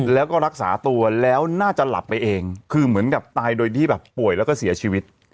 แล้วก็รักษาตัวแล้วน่าจะหลับไปเองคือเหมือนกับตายโดยที่แบบป่วยแล้วก็เสียชีวิต